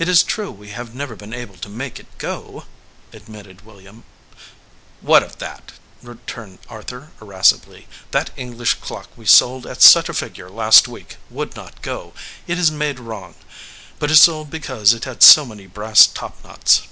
"It is true we have never been able to make it go," admitted William. "What of that?" returned Arthur, irascibly. "That English clock we sold at such a figure last week would not go. It is made wrong ; but it sold because it had so many brass topknots."